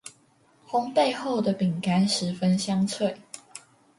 烘焙後的餅乾十分香脆